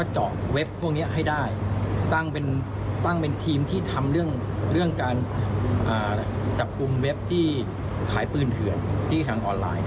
เจาะเว็บพวกนี้ให้ได้ตั้งเป็นทีมที่ทำเรื่องการจับกลุ่มเว็บที่ขายปืนเถื่อนที่ทางออนไลน์